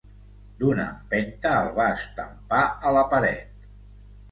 D'una empenta el va estampar a la paret.